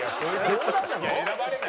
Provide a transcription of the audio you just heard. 冗談なの？